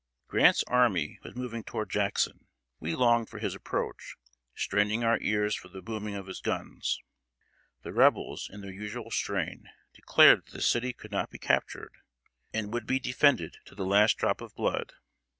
Grant's army was moving toward Jackson. We longed for his approach, straining our ears for the booming of his guns. The Rebels, in their usual strain, declared that the city could not be captured, and would be defended to the last drop of blood.